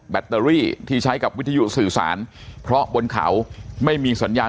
ตเตอรี่ที่ใช้กับวิทยุสื่อสารเพราะบนเขาไม่มีสัญญาณ